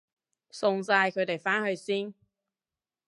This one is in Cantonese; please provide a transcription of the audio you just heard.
送晒佢哋返去先